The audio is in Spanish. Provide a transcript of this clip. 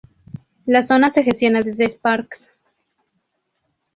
La zona se gestiona desde Sparks.